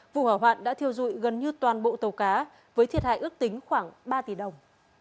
vụ hỏa hoạn đã thiêu dụi gần như toàn bộ tàu cá với thiệt hại ước tính khoảng ba tỷ đồng